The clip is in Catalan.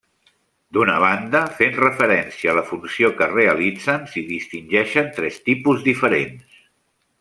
D'una banda, fent referència a la funció que realitzen, s’hi distingeixen tres tipus diferents.